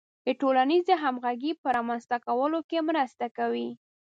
د ټولنیزې همغږۍ په رامنځته کولو کې مرسته کوي.